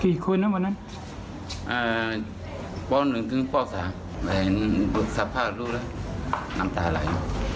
พี่คุณน่ะวันนั้นเอ่อป๋อหนึ่งถึงป๋อสามเอ่อสับผ้าลูกแล้วน้ำตาหลาย